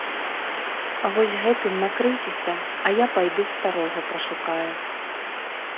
Вось гэтым накрыйцеся, а я пайду старога пашукаю.